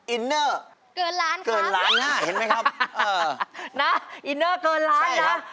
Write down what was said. อินเนอร์เกินล้านนะเห็นไหมครับเออนะอินเนอร์เกินล้านนะใช่ครับ